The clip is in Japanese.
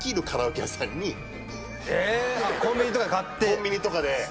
コンビニとかで。